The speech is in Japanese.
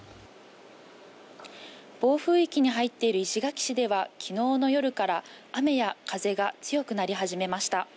暴風域に入っている石垣市では昨日の夜から雨や風が強くなり始めました。